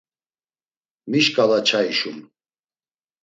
Mi şkala çai şum?